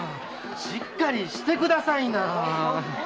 しっかりしてくださいな。